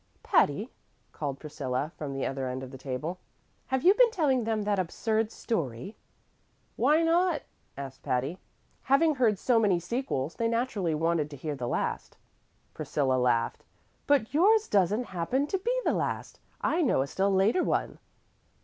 "Patty," called Priscilla, from the other end of the table, "have you been telling them that absurd story?" "Why not?" asked Patty. "Having heard so many sequels, they naturally wanted to hear the last." Priscilla laughed. "But yours doesn't happen to be the last. I know a still later one."